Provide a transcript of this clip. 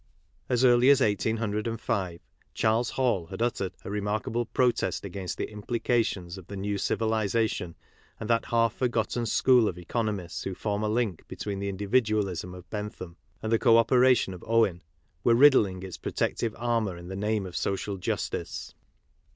As early as 1805, Charles Hall had uttered a remarkable protest against the implications of the new civilization and that half forgotten school of economists who form a link between the individualism of Bentham and the co operation of Owen, were riddling its protective armour in the name of social justice.